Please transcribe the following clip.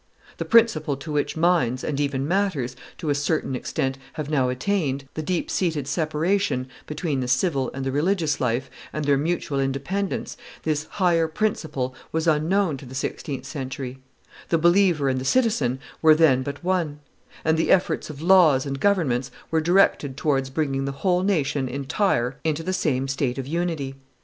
The principle to which minds, and even matters, to a certain extent, have now attained, the deep seated separation between the civil and the religious life, and their mutual independence, this higher principle was unknown to the sixteenth century; the believer and the citizen were then but one, and the efforts of laws and governments were directed towards bringing the whole nation entire into the same state of unity.